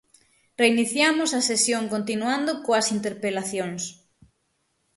Reiniciamos a sesión continuando coas interpelacións.